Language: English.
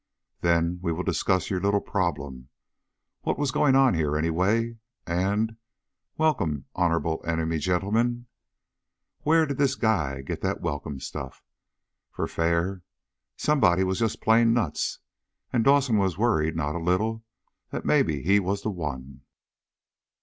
"Then we will discuss your little problem." What was going on here, anyway? And, "Welcome, Honorable Enemy Gentlemen!" Where did the guy get that welcome stuff? For fair, somebody was just plain nuts. And Dawson was worried not a little that maybe he was the one.